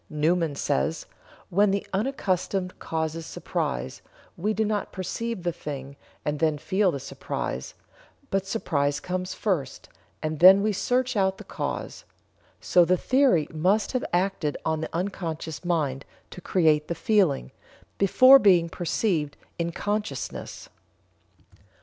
Newman says: "When the unaccustomed causes surprise, we do not perceive the thing and then feel the surprise; but surprise comes first, and then we search out the cause; so the theory must have acted on the unconscious mind to create the feeling, before being perceived in consciousness."